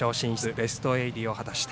ベスト８入りを果たしました。